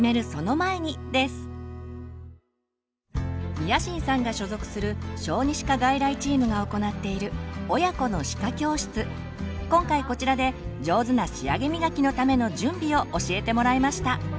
宮新さんが所属する小児歯科外来チームが行っている今回こちらで上手な仕上げみがきのための準備を教えてもらいました。